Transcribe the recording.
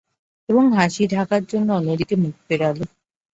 এবং হাসি ঢাকার জন্যে অন্যদিকে মুখ ফেরাল।